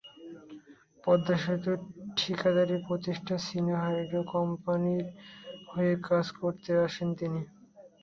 পদ্মা সেতুর ঠিকাদারি প্রতিষ্ঠান সিনো হাইড্রো কোম্পানির হয়ে কাজ করতে আসেন তিনি।